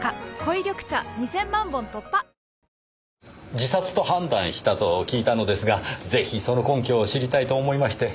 自殺と判断したと聞いたのですがぜひその根拠を知りたいと思いまして。